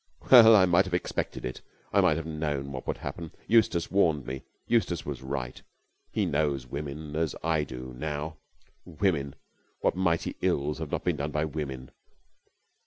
"Well, I might have expected it, I might have known what would happen! Eustace warned me. Eustace was right. He knows women as I do now. Women! What mighty ills have not been done by women?